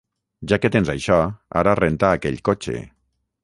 Ja que tens això, ara renta aquell cotxe.